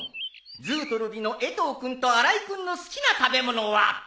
ずうとるびの江藤君と新井君の好きな食べ物は？